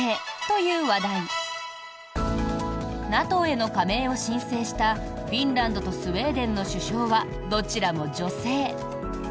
ＮＡＴＯへの加盟を申請したフィンランドとスウェーデンの首相はどちらも女性。